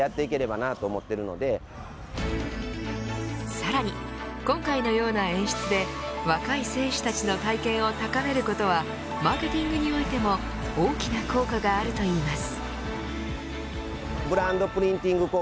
さらに今回のような演出で若い選手たちの体験を高めることはマーケティングにおいても大きな効果があるといいます。